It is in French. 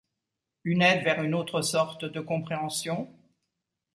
Une aide vers une autre sorte de compréhension ?